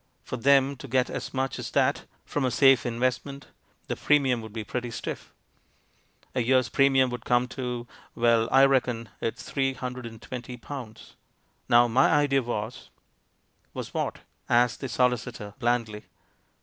For them to get as much as that, from a safe investment, the pre mium would be pretty stiff. A year's premium would come to — well, I reckon it three hundred and twenty pounds. Now, my idea was " "Was — what?" asked the solicitor, blandly.